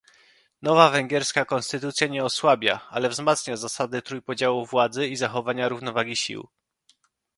Nowa węgierska konstytucja nie osłabia, ale wzmacnia zasady trójpodziału władzy i zachowania równowagi sił